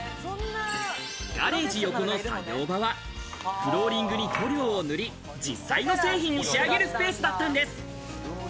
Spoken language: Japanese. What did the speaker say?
ガレージ横の作業場はフローリングに塗料を塗り、実際の製品に仕上げるスペースだったんです。